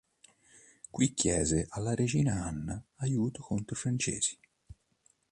Qui chiese alla regina Anna aiuto contro i francesi.